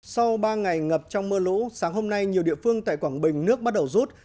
sau ba ngày ngập trong mưa lũ sáng hôm nay nhiều địa phương tại quảng bình nước bắt đầu rút